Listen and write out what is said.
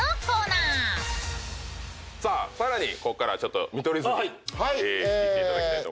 さあさらにここから見取り図に仕切っていただきたいと思います。